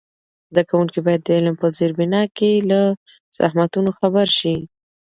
زده کوونکي باید د علم په زېربنا کې له زحمتونو خبر سي.